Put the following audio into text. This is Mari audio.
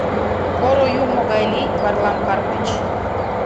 — Поро юмо гай лий, Варлам Карпыч.